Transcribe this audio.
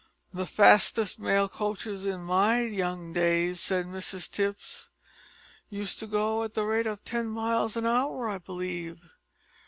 "The fastest mail coaches in my young days," said Mrs Tipps, "used to go at the rate of ten miles an hour, I believe."